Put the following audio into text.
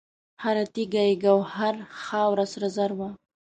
هر تیږه یې ګوهر، خاوره سره زر وه